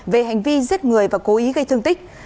về hành vi giết người và cố ý gây thương tích